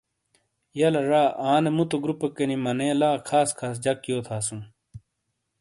یہہ لا ڙا، آنے مُتو گروپیکینی مَنے لا خاص خاص جَک یو تھاسوں۔